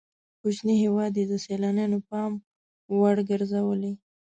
کوچنی هېواد یې د سیلانیانو پام وړ ګرځولی.